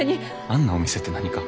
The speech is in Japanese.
あんなお店って何か？